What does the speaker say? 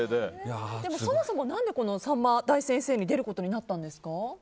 そもそも「さんま大先生」に出ることになったんですか？